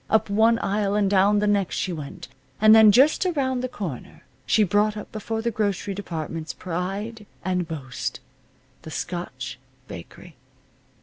Up one aisle, and down the next she went. And then, just around the corner, she brought up before the grocery department's pride and boast, the Scotch bakery.